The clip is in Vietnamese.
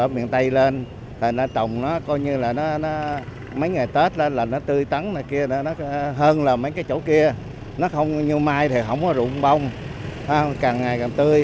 mấy ngày tết là nó tươi tắn hơn là mấy cái chỗ kia nó không như mai thì không có rụng bông càng ngày càng tươi